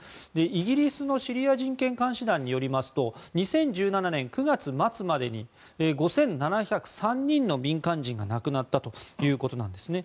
イギリスのシリア人権監視団によりますと２０１７年９月末までに５７０３人の民間人が亡くなったということなんですね。